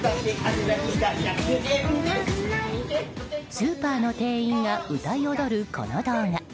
スーパーの店員が歌い踊るこの動画。